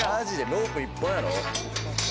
ロープ１本やろ？